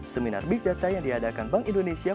seminar big data yang diadakan bank indonesia